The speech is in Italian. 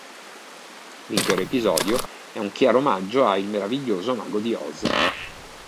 L'intero episodio è un chiaro omaggio a Il meraviglioso mago di Oz.